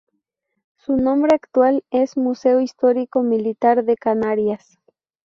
Su nombre actual es Museo Histórico Militar de Canarias.